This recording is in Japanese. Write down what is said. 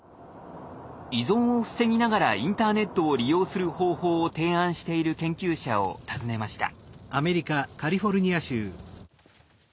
依存を防ぎながらインターネットを利用する方法を提案している研究者を訪ねました。